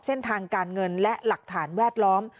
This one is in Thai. เส้นทางการเงินและหลักฐานแวดล้อม